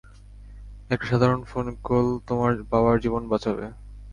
একটা সাধারণ phone call তোমার বাবার জীবন বাঁচাবে।